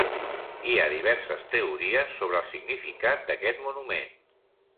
Hi ha diverses teories sobre el significat d'aquest monument.